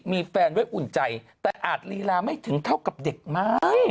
มีแฟนด้วยอุ่นใจแต่อาจลีลาไม่ถึงเท่ากับเด็กมั้ง